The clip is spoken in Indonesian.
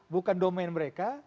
bukan domain mereka